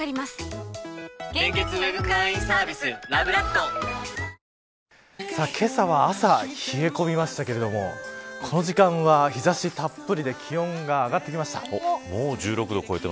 この雷マークをつけたところはけさは朝冷え込みましたけれどもこの時間は日差したっぷりで気温が上がってきました。